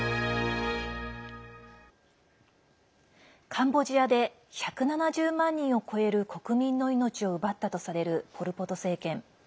カンボジアで１７０万人を超える国民の命を奪ったとされるポル・ポト政権。